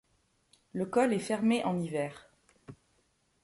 Le col est fermé en hiver.